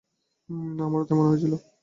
আমারো তাই মনে হয়েছিল।